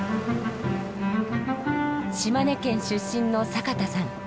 島根県出身の坂田さん。